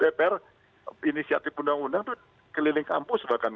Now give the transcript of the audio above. dpr inisiatif undang undang itu keliling kampus bahkan